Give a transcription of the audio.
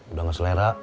udah gak selera